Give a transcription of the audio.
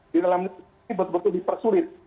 di dalam negeri ini betul betul dipersulit